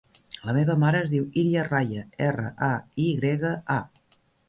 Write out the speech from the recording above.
La meva mare es diu Iria Raya: erra, a, i grega, a.